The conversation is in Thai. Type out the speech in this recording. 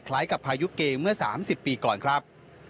กับพายุเกเมื่อ๓๐ปีก่อนครับ